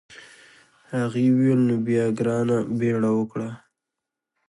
هغې وویل نو بیا ګرانه بیړه وکړه.